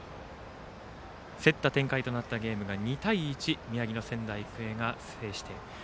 競った展開となったゲームが２対１宮城の仙台育英が制しています。